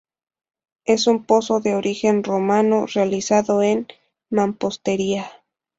Es un pozo de origen romano, realizado en mampostería.